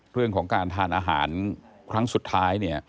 เรื่องของการทานอาหารครั้งสุดท้ายเนี่ย